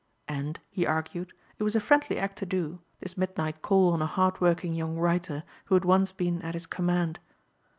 And, he argued, it was a friendly act to do, this midnight call on a hard working young writer who had once been at his command.